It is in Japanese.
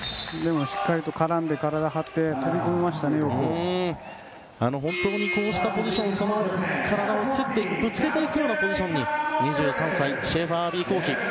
しっかりと絡んで体を張ってこうしたポジション体を競っていくぶつけていくようなポジションに２３歳のシェーファー・アヴィ幸樹。